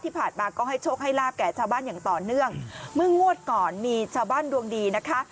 ที่ผ่านมาก็ให้โชคให้ลาบแก่ชาวบ้านอย่างต่อเนื่องเมื่องวดก่อนมีชาวบ้านดวงดีนะคะ